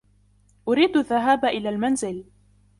ارید الذهاب الی المنزل.